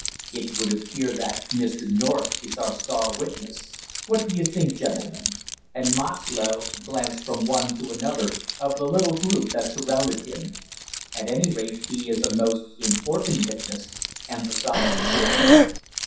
"It would appear that Mr. North is our star witness; what do you think, gentlemen?" and Moxlow glanced from one to another of the little group that surrounded him. "At any rate he is a most important witness," emphasized the coroner.